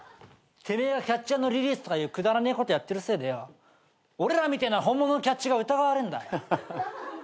てめえがキャッチ＆リリースとかいうくだらねえことやってるせいで俺らみてえな本物のキャッチが疑われんだ。